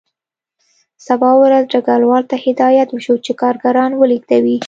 سبا ورځ ډګروال ته هدایت وشو چې کارګران ولېږدوي